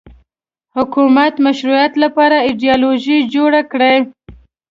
حکومت مشروعیت لپاره ایدیالوژي جوړه کړي